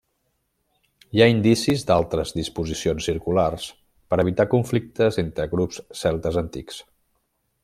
Hi ha indicis d'altres disposicions circulars per evitar conflictes entre grups celtes antics.